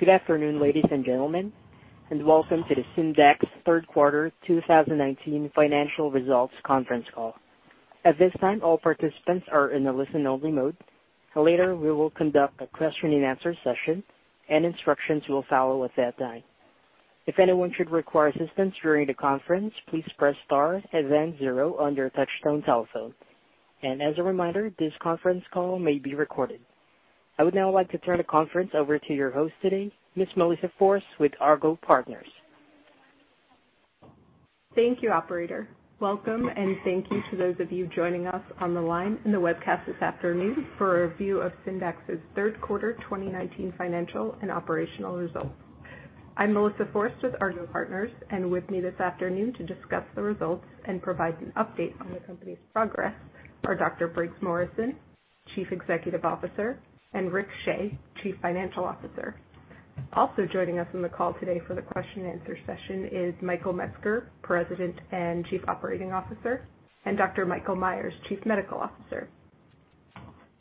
Good afternoon, ladies and gentlemen, welcome to the Syndax third quarter 2019 financial results conference call. At this time, all participants are in a listen-only mode. Later, we will conduct a question and answer session, and instructions will follow at that time. If anyone should require assistance during the conference, please press star and then zero on your touchtone telephone. As a reminder, this conference call may be recorded. I would now like to turn the conference over to your host today, Miss Melissa Forst with Argot Partners. Thank you, operator. Welcome, thank you to those of you joining us on the line in the webcast this afternoon for a review of Syndax's third quarter 2019 financial and operational results. I'm Melissa Forst with Argot Partners, and with me this afternoon to discuss the results and provide an update on the company's progress are Dr. Briggs Morrison, Chief Executive Officer, and Rick Shea, Chief Financial Officer. Also joining us on the call today for the question and answer session is Michael Metzger, President and Chief Operating Officer, and Dr. Michael Myers, Chief Medical Officer.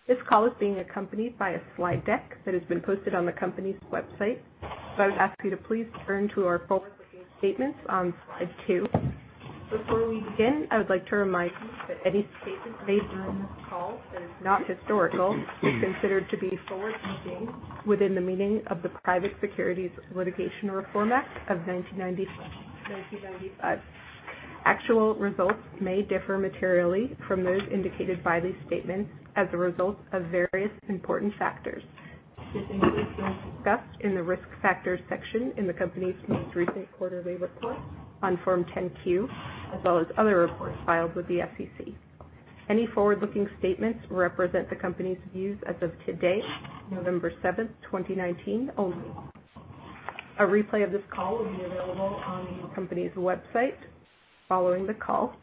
This call is being accompanied by a slide deck that has been posted on the company's website. I would ask you to please turn to our forward-looking statements on slide two. Before we begin, I would like to remind you that any statements made during this call that are not historical are considered to be forward-looking within the meaning of the Private Securities Litigation Reform Act of 1995. Actual results may differ materially from those indicated by these statements as a result of various important factors that have been discussed in the Risk Factors section in the company's most recent quarterly report on Form 10-Q, as well as other reports filed with the SEC. Any forward-looking statements represent the company's views as of today, November 7, 2019 only. A replay of this call will be available on the company's website following the call.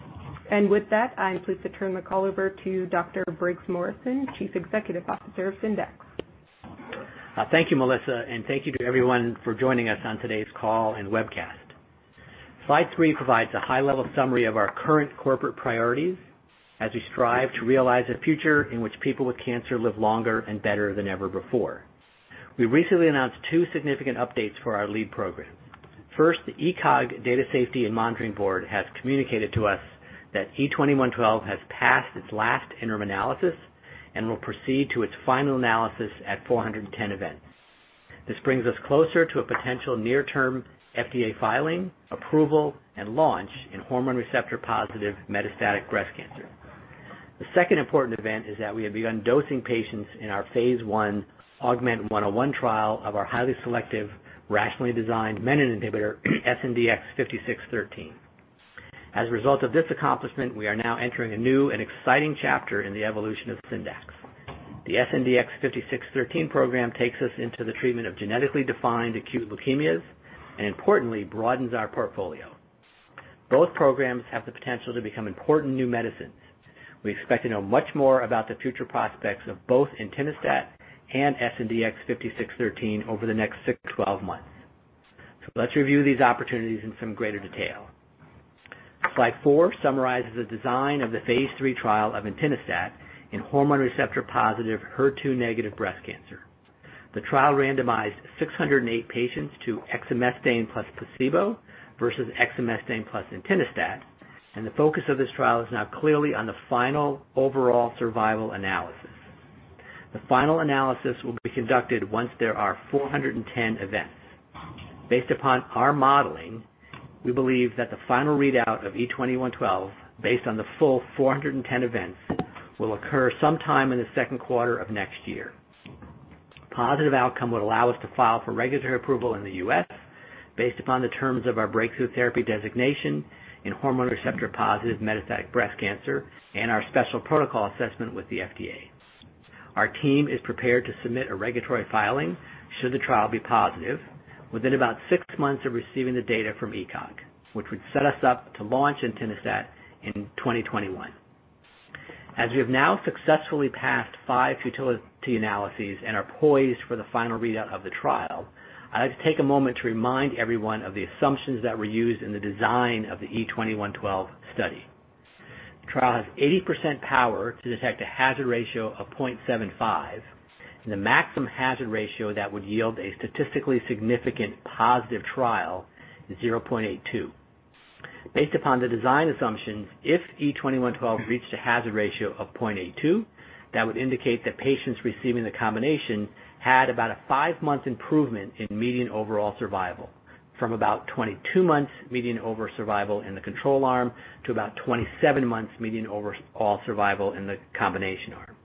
With that, I'm pleased to turn the call over to Dr. Briggs Morrison, Chief Executive Officer of Syndax. Thank you, Melissa, and thank you to everyone for joining us on today's call and webcast. Slide three provides a high-level summary of our current corporate priorities as we strive to realize a future in which people with cancer live longer and better than ever before. We recently announced two significant updates for our lead program. First, the ECOG Data Safety and Monitoring Board has communicated to us that E-2112 has passed its last interim analysis and will proceed to its final analysis at 410 events. This brings us closer to a potential near-term FDA filing, approval, and launch in hormone receptor-positive metastatic breast cancer. The second important event is that we have begun dosing patients in our phase I AUGMENT-101 trial of our highly selective, rationally designed menin inhibitor, SNDX-5613. As a result of this accomplishment, we are now entering a new and exciting chapter in the evolution of Syndax. The SNDX-5613 program takes us into the treatment of genetically defined acute leukemias and importantly broadens our portfolio. Both programs have the potential to become important new medicines. We expect to know much more about the future prospects of both entinostat and SNDX-5613 over the next six to 12 months. Let's review these opportunities in some greater detail. Slide four summarizes the design of the phase III trial of entinostat in hormone receptor-positive, HER2-negative breast cancer. The trial randomized 608 patients to exemestane plus placebo versus exemestane plus entinostat, the focus of this trial is now clearly on the final overall survival analysis. The final analysis will be conducted once there are 410 events. Based upon our modeling, we believe that the final readout of E-2112, based on the full 410 events, will occur sometime in the second quarter of next year. A positive outcome would allow us to file for regulatory approval in the U.S. based upon the terms of our breakthrough therapy designation in hormone receptor-positive metastatic breast cancer and our special protocol assessment with the FDA. Our team is prepared to submit a regulatory filing should the trial be positive within about six months of receiving the data from ECOG, which would set us up to launch entinostat in 2021. We have now successfully passed five futility analyses and are poised for the final readout of the trial, I'd like to take a moment to remind everyone of the assumptions that were used in the design of the E-2112 study. The trial has 80% power to detect a hazard ratio of 0.75, and the maximum hazard ratio that would yield a statistically significant positive trial is 0.82. Based upon the design assumptions, if E2112 reached a hazard ratio of 0.82, that would indicate that patients receiving the combination had about a five-month improvement in median overall survival from about 22 months median overall survival in the control arm to about 27 months median overall survival in the combination arm.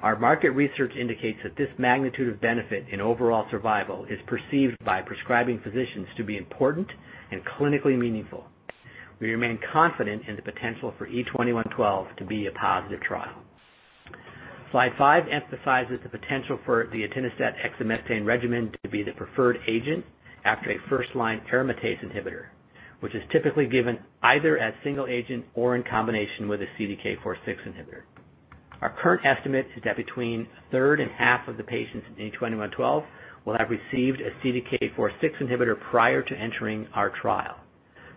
Our market research indicates that this magnitude of benefit in overall survival is perceived by prescribing physicians to be important and clinically meaningful. We remain confident in the potential for E2112 to be a positive trial. Slide five emphasizes the potential for the entinostat/exemestane regimen to be the preferred agent after a first-line aromatase inhibitor, which is typically given either as single agent or in combination with a CDK4/6 inhibitor. Our current estimate is that between a third and half of the patients in E2112 will have received a CDK4/6 inhibitor prior to entering our trial.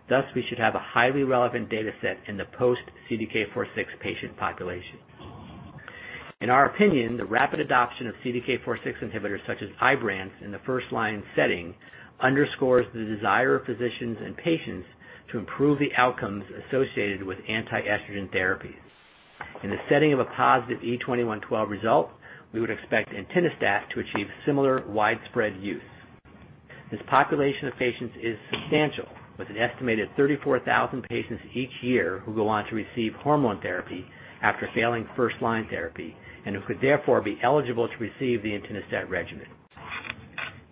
Thus, we should have a highly relevant data set in the post-CDK4/6 patient population. In our opinion, the rapid adoption of CDK4/6 inhibitors such as IBRANCE in the first-line setting underscores the desire of physicians and patients to improve the outcomes associated with anti-estrogen therapies. In the setting of a positive E2112 result, we would expect entinostat to achieve similar widespread use. This population of patients is substantial, with an estimated 34,000 patients each year who go on to receive hormone therapy after failing first-line therapy, and who could therefore be eligible to receive the entinostat regimen.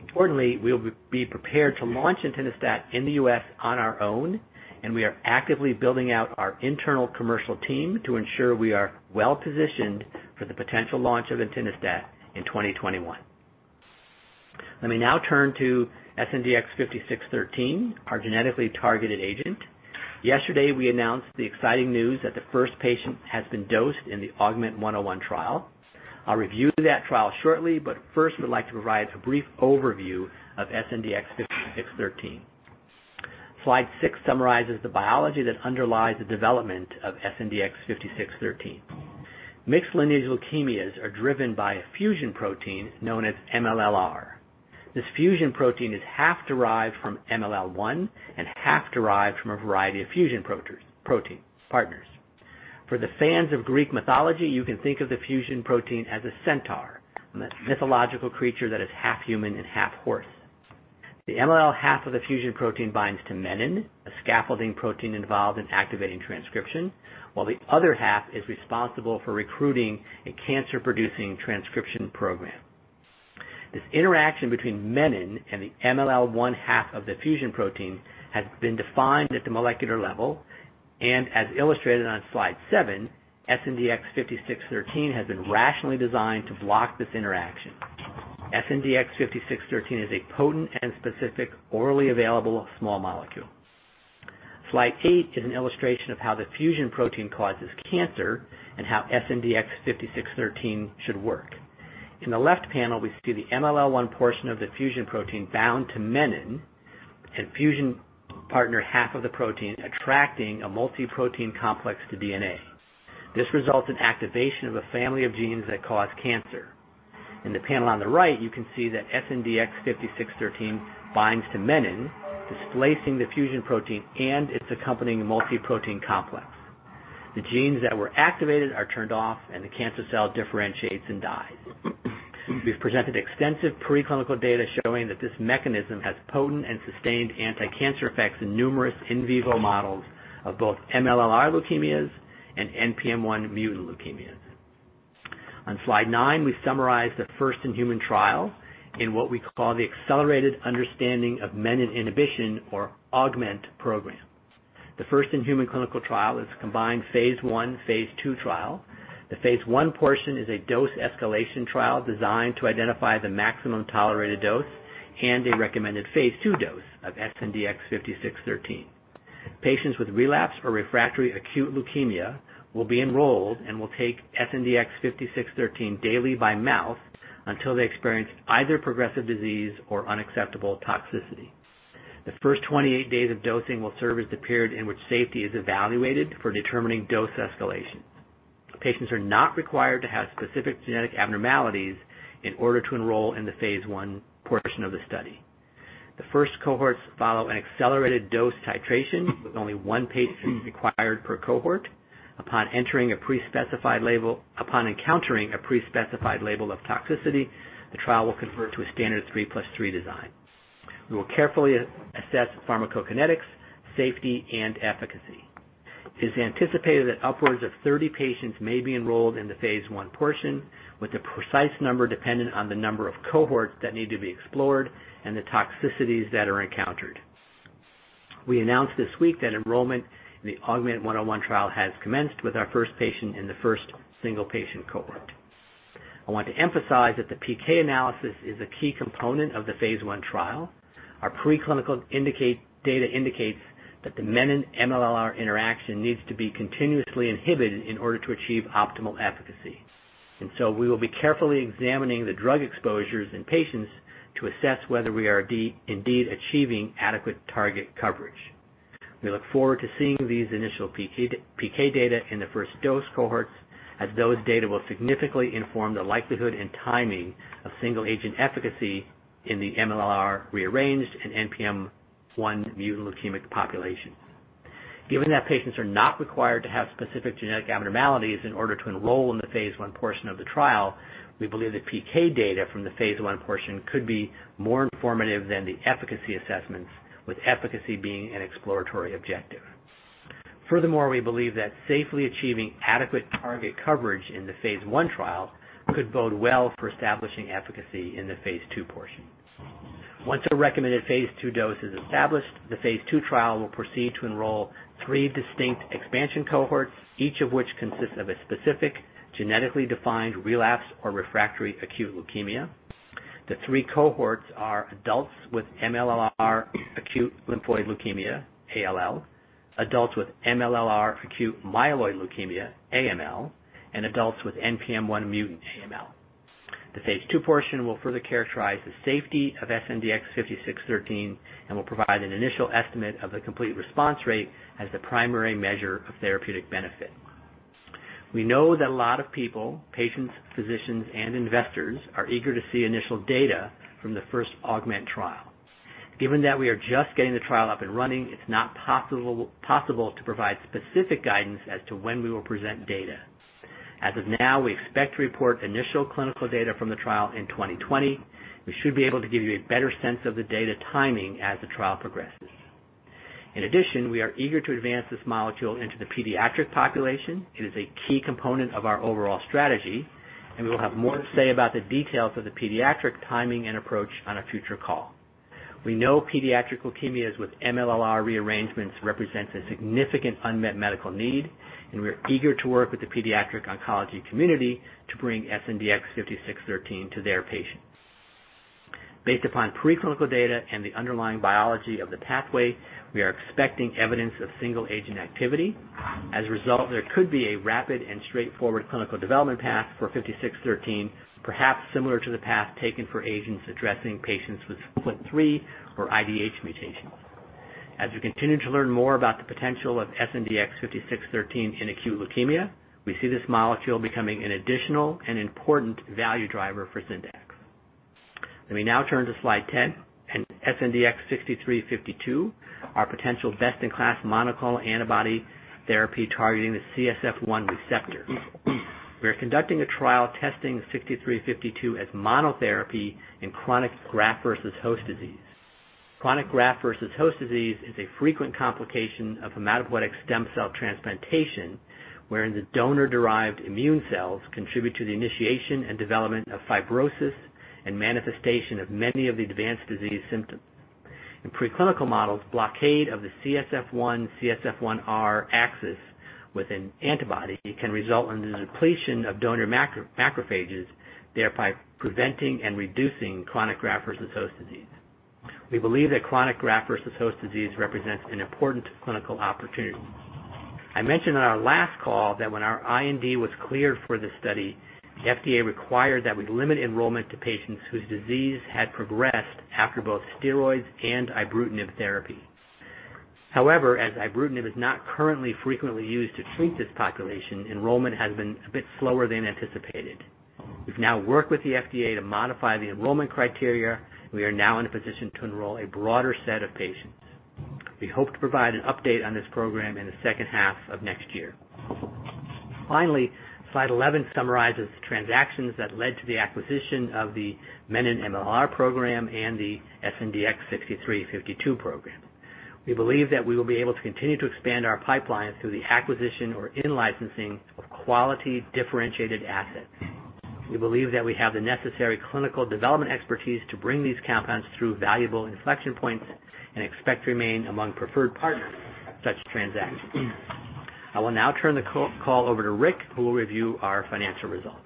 Importantly, we will be prepared to launch entinostat in the U.S. on our own, and we are actively building out our internal commercial team to ensure we are well-positioned for the potential launch of entinostat in 2021. Let me now turn to SNDX-5613, our genetically targeted agent. Yesterday, we announced the exciting news that the first patient has been dosed in the AUGMENT-101 trial. I'll review that trial shortly, but first we'd like to provide a brief overview of SNDX-5613. Slide six summarizes the biology that underlies the development of SNDX-5613. Mixed lineage leukemias are driven by a fusion protein known as MLL-r. This fusion protein is half derived from MLL1 and half derived from a variety of fusion partners. For the fans of Greek mythology, you can think of the fusion protein as a centaur, a mythological creature that is half human and half horse. The MLL half of the fusion protein binds to menin, a scaffolding protein involved in activating transcription, while the other half is responsible for recruiting a cancer-producing transcription program. This interaction between menin and the MLL1 half of the fusion protein has been defined at the molecular level, and as illustrated on slide seven, SNDX-5613 has been rationally designed to block this interaction. SNDX-5613 is a potent and specific orally available small molecule. Slide eight is an illustration of how the fusion protein causes cancer and how SNDX-5613 should work. In the left panel, we see the MLL1 portion of the fusion protein bound to menin and fusion partner half of the protein attracting a multi-protein complex to DNA. This results in activation of a family of genes that cause cancer. In the panel on the right, you can see that SNDX-5613 binds to menin, displacing the fusion protein and its accompanying multi-protein complex. The genes that were activated are turned off, and the cancer cell differentiates and dies. We've presented extensive preclinical data showing that this mechanism has potent and sustained anticancer effects in numerous in vivo models of both MLL-r leukemias and NPM1 mutant leukemias. On slide nine, we summarize the first-in-human trial in what we call the Accelerated Understanding of Menin Inhibition, or AUGMENT program. The first-in-human clinical trial is a combined phase I/phase II trial. The phase I portion is a dose escalation trial designed to identify the maximum tolerated dose and a recommended phase II dose of SNDX-5613. Patients with relapsed or refractory acute leukemia will be enrolled and will take SNDX-5613 daily by mouth until they experience either progressive disease or unacceptable toxicity. The first 28 days of dosing will serve as the period in which safety is evaluated for determining dose escalation. Patients are not required to have specific genetic abnormalities in order to enroll in the phase I portion of the study. The first cohorts follow an accelerated dose titration with only one patient required per cohort. Upon encountering a pre-specified label of toxicity, the trial will convert to a standard 3+3 design. We will carefully assess pharmacokinetics, safety, and efficacy. It is anticipated that upwards of 30 patients may be enrolled in the phase I portion, with the precise number dependent on the number of cohorts that need to be explored and the toxicities that are encountered. We announced this week that enrollment in the AUGMENT-101 trial has commenced with our first patient in the first single-patient cohort. I want to emphasize that the PK analysis is a key component of the phase I trial. Our pre-clinical data indicates that the menin MLL-r interaction needs to be continuously inhibited in order to achieve optimal efficacy. We will be carefully examining the drug exposures in patients to assess whether we are indeed achieving adequate target coverage. We look forward to seeing these initial PK data in the first dose cohorts, as those data will significantly inform the likelihood and timing of single-agent efficacy in the MLL-r rearranged and NPM1 mutant leukemic population. Given that patients are not required to have specific genetic abnormalities in order to enroll in the phase I portion of the trial, we believe that PK data from the phase I portion could be more informative than the efficacy assessments, with efficacy being an exploratory objective. Furthermore, we believe that safely achieving adequate target coverage in the phase I trial could bode well for establishing efficacy in the phase II portion. Once a recommended phase II dose is established, the phase II trial will proceed to enroll three distinct expansion cohorts, each of which consists of a specific genetically defined relapse or refractory acute leukemia. The three cohorts are adults with MLL-r acute lymphoid leukemia, ALL, adults with MLL-r acute myeloid leukemia, AML, and adults with NPM1 mutant AML. The phase II portion will further characterize the safety of SNDX-5613 and will provide an initial estimate of the complete response rate as the primary measure of therapeutic benefit. We know that a lot of people, patients, physicians, and investors, are eager to see initial data from the first AUGMENT trial. Given that we are just getting the trial up and running, it's not possible to provide specific guidance as to when we will present data. As of now, we expect to report initial clinical data from the trial in 2020. We should be able to give you a better sense of the data timing as the trial progresses. We are eager to advance this molecule into the pediatric population. It is a key component of our overall strategy, and we will have more to say about the details of the pediatric timing and approach on a future call. We know pediatric leukemias with MLL rearrangements represents a significant unmet medical need, and we are eager to work with the pediatric oncology community to bring SNDX-5613 to their patients. Based upon preclinical data and the underlying biology of the pathway, we are expecting evidence of single-agent activity. As a result, there could be a rapid and straightforward clinical development path for 5613, perhaps similar to the path taken for agents addressing patients with FLT3 or IDH mutations. As we continue to learn more about the potential of SNDX-5613 in acute leukemia, we see this molecule becoming an additional and important value driver for Syndax. Let me now turn to slide 10 and SNDX-6352, our potential best-in-class monoclonal antibody therapy targeting the CSF1 receptor. We are conducting a trial testing 6352 as monotherapy in chronic graft versus host disease. Chronic graft versus host disease is a frequent complication of hematopoietic stem cell transplantation, wherein the donor-derived immune cells contribute to the initiation and development of fibrosis and manifestation of many of the advanced disease symptoms. In preclinical models, blockade of the CSF1/CSF1R axis with an antibody can result in the depletion of donor macrophages, thereby preventing and reducing chronic graft versus host disease. We believe that chronic graft versus host disease represents an important clinical opportunity. I mentioned on our last call that when our IND was cleared for this study, the FDA required that we limit enrollment to patients whose disease had progressed after both steroids and ibrutinib therapy. As ibrutinib is not currently frequently used to treat this population, enrollment has been a bit slower than anticipated. We've now worked with the FDA to modify the enrollment criteria. We are now in a position to enroll a broader set of patients. We hope to provide an update on this program in the second half of next year. Finally, slide 11 summarizes the transactions that led to the acquisition of the menin-MLL program and the SNDX-6352 program. We believe that we will be able to continue to expand our pipeline through the acquisition or in-licensing of quality differentiated assets. We believe that we have the necessary clinical development expertise to bring these compounds through valuable inflection points and expect to remain among preferred partners of such transactions. I will now turn the call over to Rick, who will review our financial results.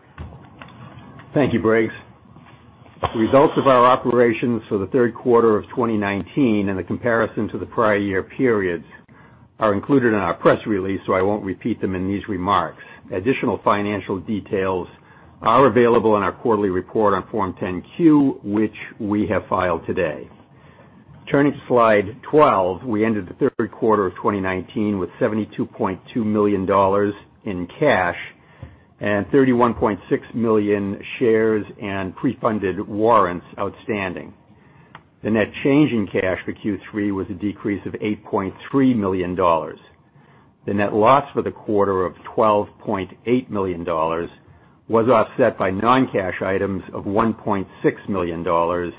Thank you, Briggs. The results of our operations for the third quarter of 2019 and the comparison to the prior year periods are included in our press release, so I won't repeat them in these remarks. Additional financial details are available in our quarterly report on Form 10-Q, which we have filed today. Turning to slide 12, we ended the third quarter of 2019 with $72.2 million in cash and 31.6 million shares in pre-funded warrants outstanding. The net change in cash for Q3 was a decrease of $8.3 million. The net loss for the quarter of $12.8 million was offset by non-cash items of $1.6 million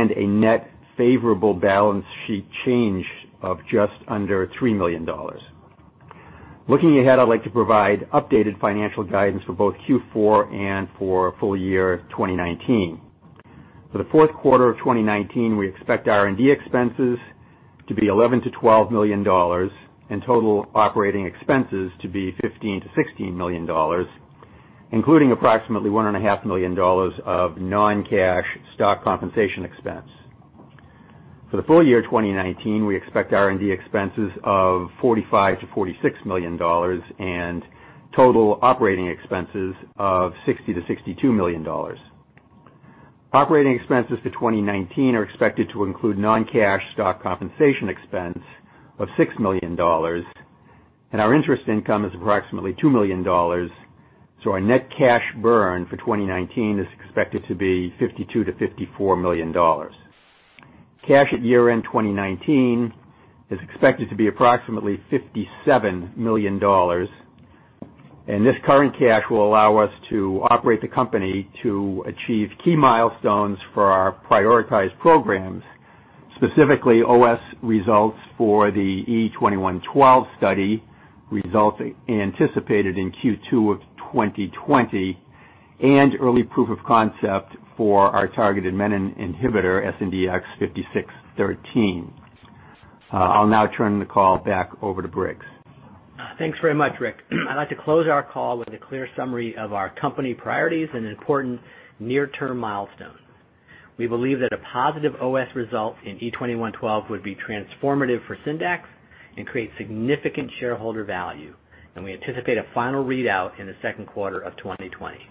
and a net favorable balance sheet change of just under $3 million. Looking ahead, I'd like to provide updated financial guidance for both Q4 and for full year 2019. For the fourth quarter of 2019, we expect R&D expenses to be $11 million-$12 million and total operating expenses to be $15 million-$16 million, including approximately $1.5 million of non-cash stock compensation expense. For the full year 2019, we expect R&D expenses of $45 million-$46 million and total operating expenses of $60 million-$62 million. Operating expenses for 2019 are expected to include non-cash stock compensation expense of $6 million, and our interest income is approximately $2 million, so our net cash burn for 2019 is expected to be $52 million-$54 million. Cash at year-end 2019 is expected to be approximately $57 million. This current cash will allow us to operate the company to achieve key milestones for our prioritized programs, specifically OS results for the E2112 study, results anticipated in Q2 of 2020, and early proof of concept for our targeted menin inhibitor, SNDX-5613. I'll now turn the call back over to Briggs. Thanks very much, Rick. I'd like to close our call with a clear summary of our company priorities and an important near-term milestone. We believe that a positive OS result in E2112 would be transformative for Syndax and create significant shareholder value, and we anticipate a final readout in the second quarter of 2020.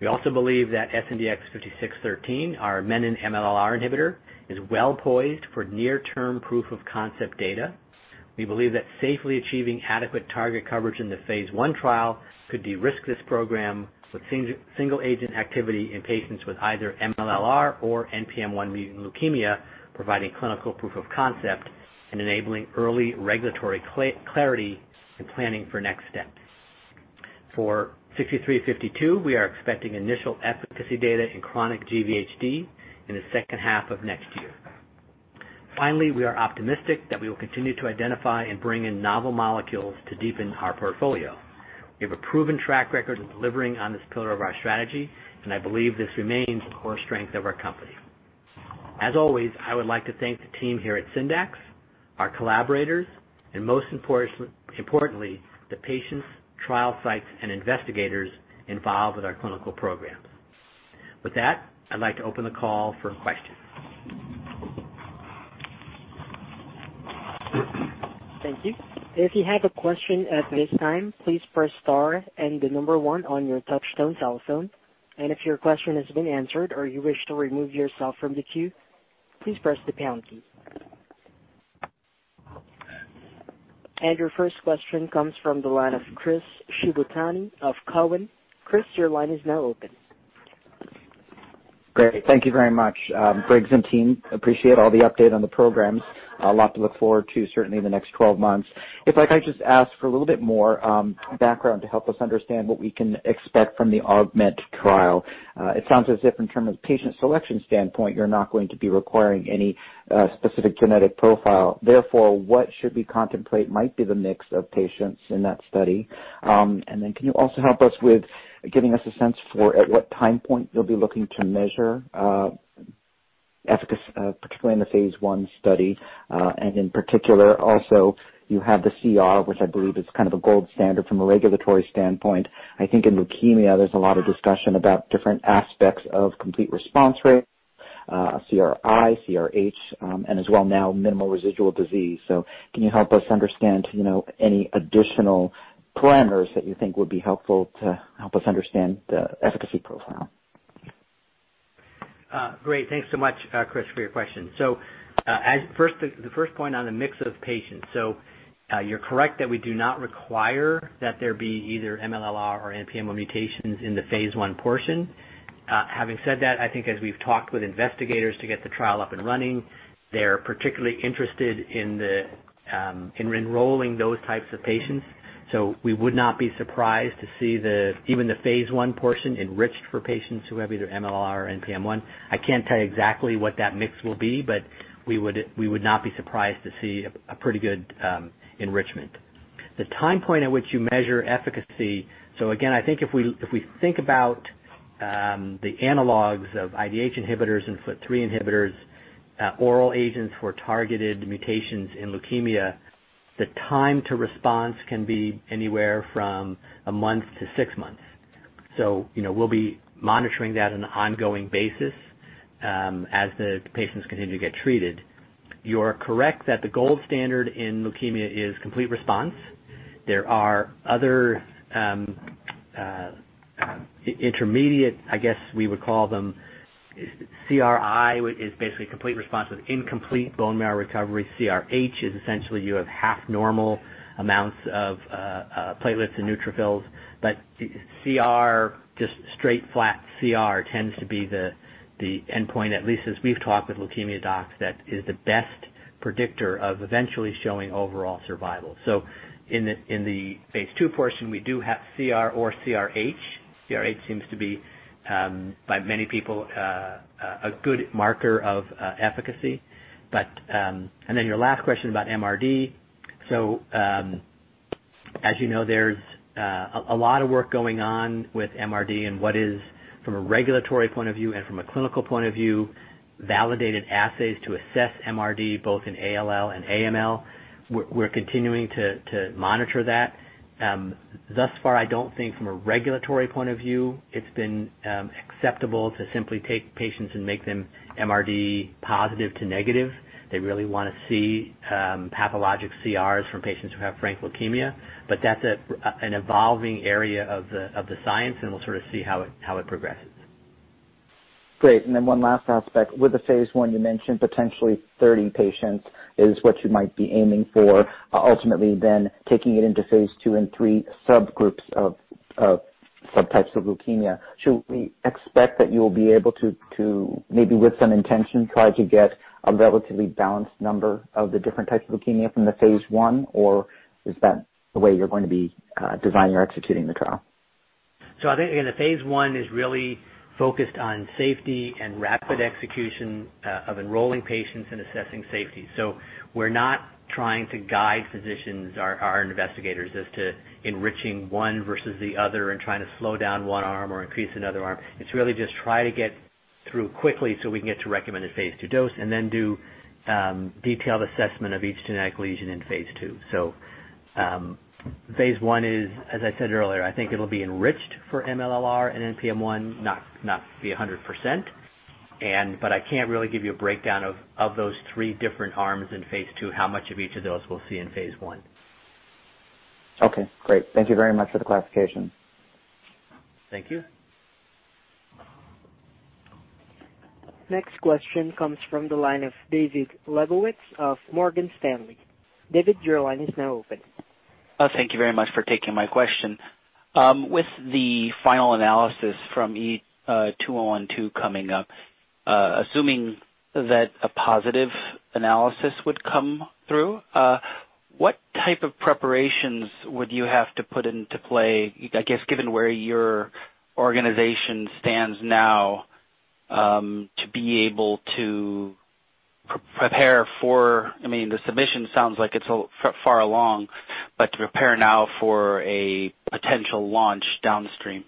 We also believe that SNDX-5613, our menin-MLL-r inhibitor, is well-poised for near-term proof of concept data. We believe that safely achieving adequate target coverage in the phase I trial could de-risk this program with single-agent activity in patients with either MLLR or NPM1 mutant leukemia, providing clinical proof of concept and enabling early regulatory clarity and planning for next steps. For 6352, we are expecting initial efficacy data in chronic GVHD in the second half of next year. We are optimistic that we will continue to identify and bring in novel molecules to deepen our portfolio. We have a proven track record of delivering on this pillar of our strategy, and I believe this remains a core strength of our company. As always, I would like to thank the team here at Syndax, our collaborators, and most importantly, the patients, trial sites, and investigators involved with our clinical programs. With that, I'd like to open the call for questions. Thank you. If you have a question at this time, please press star and the number one on your touchtone telephone. If your question has been answered or you wish to remove yourself from the queue, please press the pound key. Your first question comes from the line of Chris Shibutani of Cowen. Chris, your line is now open. Great. Thank you very much. Briggs and team, appreciate all the update on the programs. A lot to look forward to, certainly in the next 12 months. If I could just ask for a little bit more background to help us understand what we can expect from the AUGMENT trial. It sounds as if in terms of patient selection standpoint, you're not going to be requiring any specific genetic profile. What should we contemplate might be the mix of patients in that study? Can you also help us with giving us a sense for at what time point you'll be looking to measure efficacy, particularly in the phase I study. In particular, also you have the CR, which I believe is kind of a gold standard from a regulatory standpoint. I think in leukemia, there's a lot of discussion about different aspects of complete response rate, CRI, CRH, and as well now minimal residual disease. Can you help us understand any additional parameters that you think would be helpful to help us understand the efficacy profile? Great. Thanks so much, Chris, for your question. The first point on the mix of patients. You're correct that we do not require that there be either MLL-r or NPM1 mutations in the phase I portion. Having said that, I think as we've talked with investigators to get the trial up and running, they're particularly interested in enrolling those types of patients. We would not be surprised to see even the phase I portion enriched for patients who have either MLL-r or NPM1. I can't tell you exactly what that mix will be, but we would not be surprised to see a pretty good enrichment. The time point at which you measure efficacy. Again, I think if we think about the analogs of IDH inhibitors and FLT3 inhibitors, oral agents for targeted mutations in leukemia, the time to response can be anywhere from one month to six months. You're correct that the gold standard in leukemia is complete response. There are other intermediate, I guess we would call them, CRI is basically complete response with incomplete bone marrow recovery. CRH is essentially you have half normal amounts of platelets and neutrophils. CR, just straight flat CR tends to be the endpoint, at least as we've talked with leukemia docs, that is the best predictor of eventually showing overall survival. In the phase II portion, we do have CR or CRH. CRH seems to be, by many people, a good marker of efficacy. Your last question about MRD. As you know, there's a lot of work going on with MRD and what is, from a regulatory point of view and from a clinical point of view, validated assays to assess MRD both in ALL and AML. We're continuing to monitor that. Thus far, I don't think from a regulatory point of view, it's been acceptable to simply take patients and make them MRD positive to negative. They really want to see pathologic CRs from patients who have frank leukemia. That's an evolving area of the science, and we'll sort of see how it progresses. Great. One last aspect. With the phase I, you mentioned potentially 30 patients is what you might be aiming for, ultimately then taking it into phase II and III subgroups of subtypes of leukemia. Should we expect that you will be able to, maybe with some intention, try to get a relatively balanced number of the different types of leukemia from the phase I? Is that the way you're going to be designing or executing the trial? I think, again, the phase I is really focused on safety and rapid execution of enrolling patients and assessing safety. We're not trying to guide physicians or investigators as to enriching one versus the other and trying to slow down one arm or increase another arm. It's really just try to get through quickly so we can get to recommended phase II dose and then do detailed assessment of each genetic lesion in phase II. Phase I is, as I said earlier, I think it'll be enriched for MLL-r and NPM1, not be 100%. I can't really give you a breakdown of those three different arms in Phase II, how much of each of those we'll see in Phase I. Okay, great. Thank you very much for the clarification. Thank you. Next question comes from the line of David Lebowitz of Morgan Stanley. David, your line is now open. Thank you very much for taking my question. With the final analysis from E2112 coming up, assuming that a positive analysis would come through, what type of preparations would you have to put into play, I guess, given where your organization stands now, to be able to prepare for, the submission sounds like it's far along, but to prepare now for a potential launch downstream?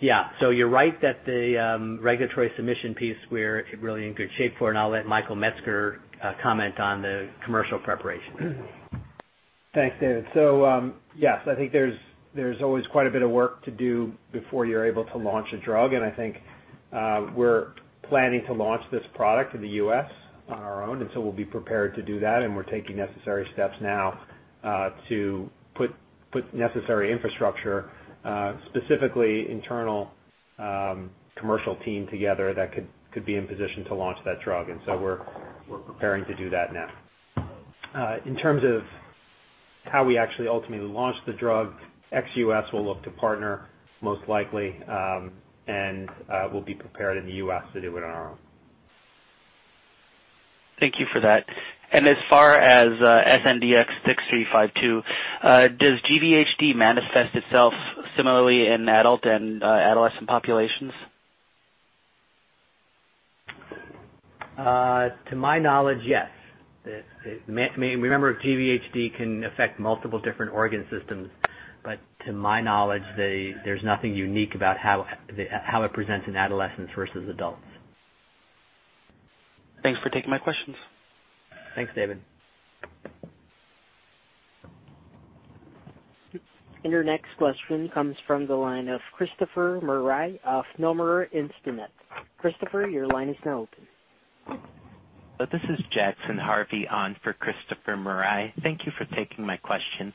Yeah. you're right that the regulatory submission piece, we're really in good shape for, and I'll let Michael Metzger comment on the commercial preparation. Thanks, David. Yes, I think there's always quite a bit of work to do before you're able to launch a drug, and I think we're planning to launch this product in the U.S. on our own. We'll be prepared to do that, and we're taking necessary steps now, to put necessary infrastructure, specifically internal commercial team together that could be in position to launch that drug. We're preparing to do that now. In terms of how we actually ultimately launch the drug, ex-U.S., we'll look to partner most likely, and we'll be prepared in the U.S. to do it on our own. Thank you for that. As far as SNDX-6352, does GVHD manifest itself similarly in adult and adolescent populations? To my knowledge, yes. Remember, GVHD can affect multiple different organ systems. To my knowledge, there's nothing unique about how it presents in adolescents versus adults. Thanks for taking my questions. Thanks, David. Your next question comes from the line of Christopher Marai of Nomura Instinet. Christopher, your line is now open. This is Jackson Harvey on for Christopher Marai. Thank you for taking my questions.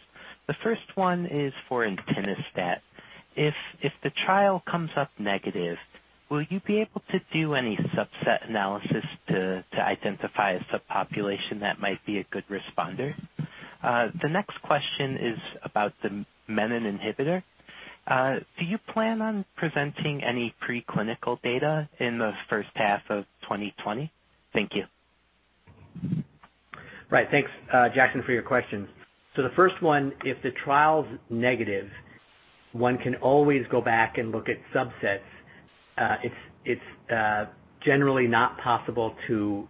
The first one is for entinostat. If the trial comes up negative, will you be able to do any subset analysis to identify a subpopulation that might be a good responder? The next question is about the menin inhibitor. Do you plan on presenting any preclinical data in the first half of 2020? Thank you. Right. Thanks, Jackson, for your questions. The first one, if the trial's negative, one can always go back and look at subsets. It's generally not possible to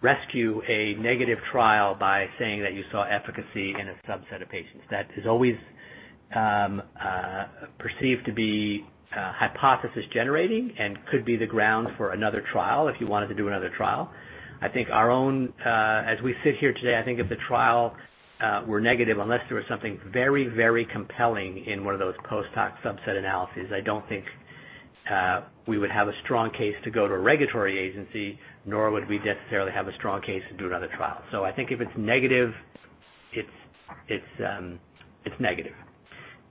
rescue a negative trial by saying that you saw efficacy in a subset of patients. That is always perceived to be hypothesis generating and could be the ground for another trial if you wanted to do another trial. I think our own, as we sit here today, I think if the trial were negative, unless there was something very compelling in one of those post-hoc subset analyses, I don't think, we would have a strong case to go to a regulatory agency, nor would we necessarily have a strong case to do another trial. I think if it's negative, it's negative.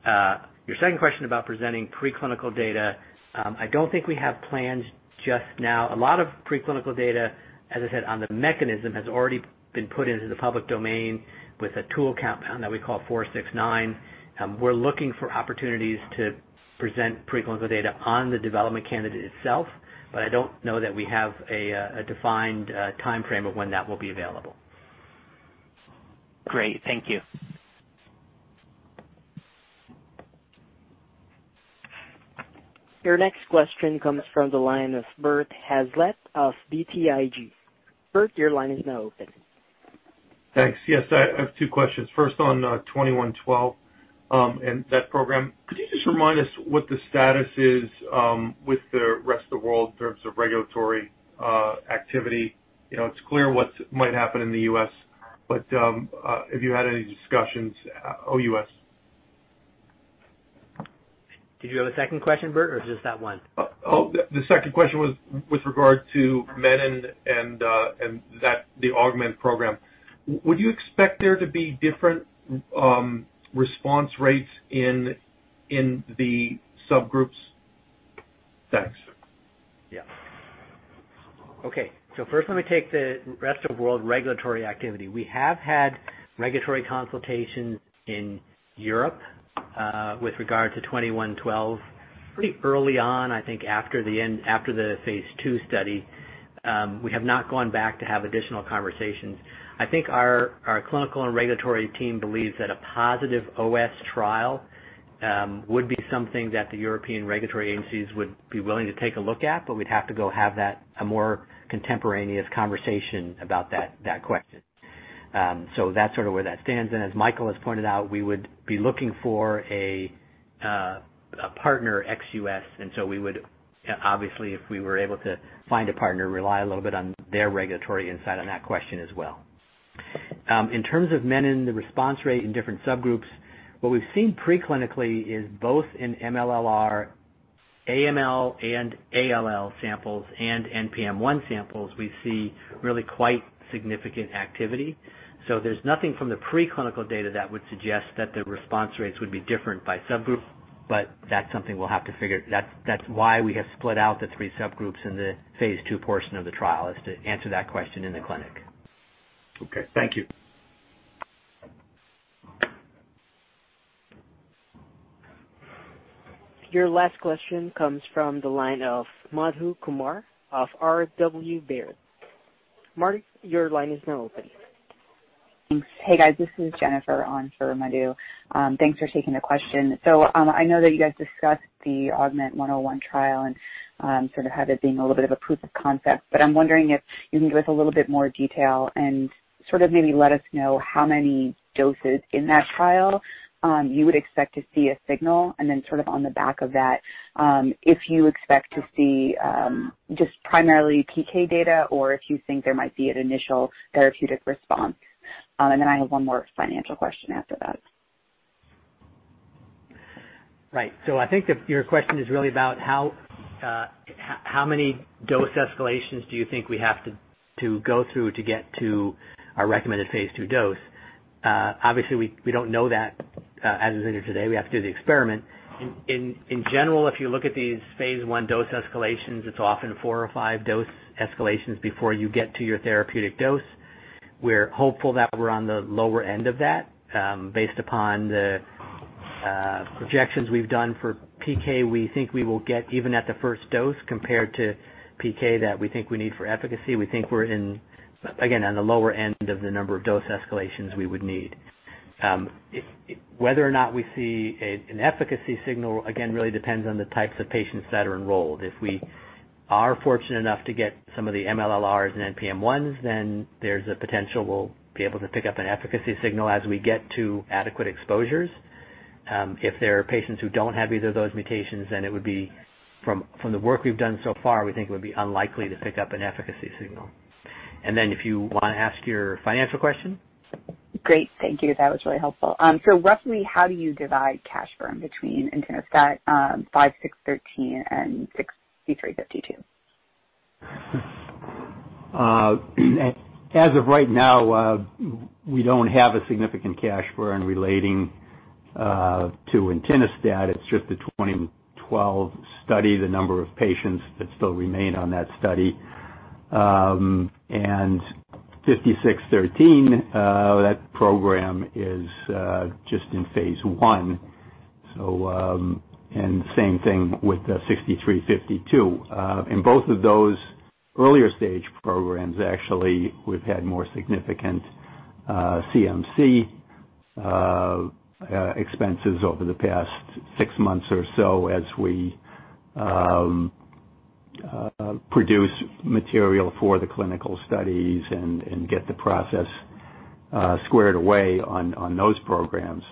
Your second question about presenting preclinical data, I don't think we have plans just now. A lot of preclinical data, as I said, on the mechanism, has already been put into the public domain with a tool compound that we call 469. We're looking for opportunities to present preclinical data on the development candidate itself, but I don't know that we have a defined timeframe of when that will be available. Great. Thank you. Your next question comes from the line of Bert Hazlett of BTIG. Bert, your line is now open. Thanks. Yes, I have two questions. First, on 2112, that program, could you just remind us what the status is with the rest of the world in terms of regulatory activity? It's clear what might happen in the U.S., have you had any discussions OUS? Did you have a second question, Bert, or just that one? Oh, the second question was with regard to menin and the AUGMENT program. Would you expect there to be different response rates in the subgroups? Thanks. Yeah. Okay, first let me take the rest of world regulatory activity. We have had regulatory consultations in Europe with regard to E2112 pretty early on, I think after the phase II study. We have not gone back to have additional conversations. I think our clinical and regulatory team believes that a positive OS trial would be something that the European regulatory agencies would be willing to take a look at, we'd have to go have that a more contemporaneous conversation about that question. That's sort of where that stands. As Michael has pointed out, we would be looking for a partner ex-U.S., we would obviously, if we were able to find a partner, rely a little bit on their regulatory insight on that question as well. In terms of menin the response rate in different subgroups, what we've seen pre-clinically is both in MLL-r, AML, and ALL samples and NPM1 samples, we see really quite significant activity. There's nothing from the preclinical data that would suggest that the response rates would be different by subgroup, but that's something we'll have to figure. That's why we have split out the 3 subgroups in the phase II portion of the trial, is to answer that question in the clinic. Okay. Thank you. Your last question comes from the line of Madhu Kumar of Robert W. Baird. Madhu, your line is now open. Hey, guys. This is Jennifer on for Madhu. Thanks for taking the question. I know that you guys discussed the AUGMENT-101 trial and sort of have it being a little bit of a proof of concept, I'm wondering if you can give us a little bit more detail and sort of maybe let us know how many doses in that trial, you would expect to see a signal, on the back of that, if you expect to see, just primarily PK data or if you think there might be an initial therapeutic response. I have one more financial question after that. Right. I think that your question is really about how many dose escalations do you think we have to go through to get to our recommended phase II dose. We don't know that as of today. We have to do the experiment. In general, if you look at these phase I dose escalations, it's often four or five dose escalations before you get to your therapeutic dose. We're hopeful that we're on the lower end of that. Based upon the projections we've done for PK, we think we will get even at the first dose compared to PK that we think we need for efficacy, we think we're in, again, on the lower end of the number of dose escalations we would need. Whether or not we see an efficacy signal, again, really depends on the types of patients that are enrolled. If we are fortunate enough to get some of the MLL-rs and NPM1s, there's a potential we'll be able to pick up an efficacy signal as we get to adequate exposures. If there are patients who don't have either of those mutations, from the work we've done so far, we think it would be unlikely to pick up an efficacy signal. If you want to ask your financial question. Great. Thank you. That was really helpful. Roughly how do you divide cash burn between entinostat five six thirteen and sixty-three fifty-two? As of right now, we don't have a significant cash burn relating to entinostat. It's just the 2012 study, the number of patients that still remain on that study. 5613, that program is just in phase I. Same thing with 6352. In both of those earlier stage programs, actually, we've had more significant CMC expenses over the past six months or so as we produce material for the clinical studies and get the process squared away on those programs.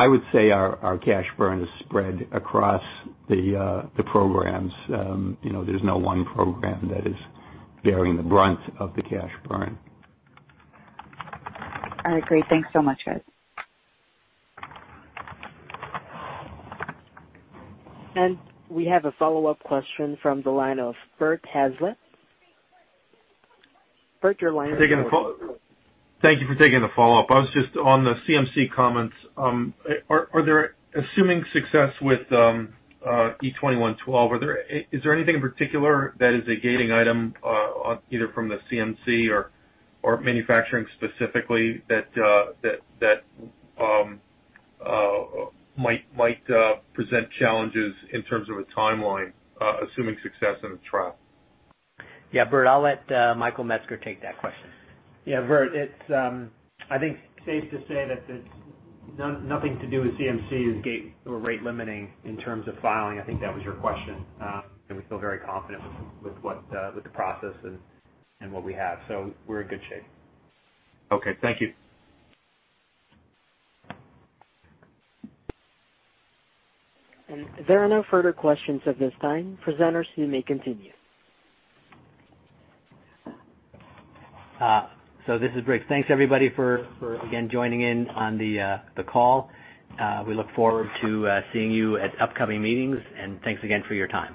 I would say our cash burn is spread across the programs. There's no one program that is bearing the brunt of the cash burn. All right. Great. Thanks so much, guys. We have a follow-up question from the line of Bert Hazlett. Bert, your line is open. Thank you for taking the follow-up. On the CMC comments, assuming success with E2112, is there anything in particular that is a gating item, either from the CMC or manufacturing specifically that might present challenges in terms of a timeline, assuming success in the trial? Yeah, Bert, I'll let Michael Metzger take that question. Yeah, Bert, it's I think safe to say that nothing to do with CMC is gate or rate limiting in terms of filing. I think that was your question. We feel very confident with the process and what we have. We're in good shape. Okay. Thank you. There are no further questions at this time. Presenters, you may continue. This is Briggs. Thanks everybody for again joining in on the call. We look forward to seeing you at upcoming meetings, and thanks again for your time.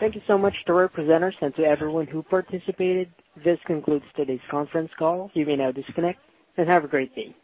Thank you so much to our presenters and to everyone who participated. This concludes today's conference call. You may now disconnect and have a great day.